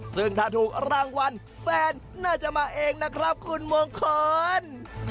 ซึ่งถ้าถูกรางวัลแฟนน่าจะมาเองนะครับคุณมงคล